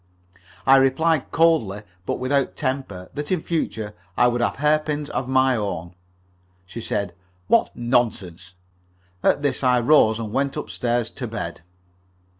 I replied coldly, but without temper, that in future I would have hairpins of my own. She said: "What nonsense!" At this I rose, and went up stairs to bed.